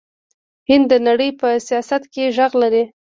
هند د نړۍ په سیاست کې غږ لري.